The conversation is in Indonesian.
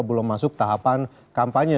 belum masuk tahapan kampanye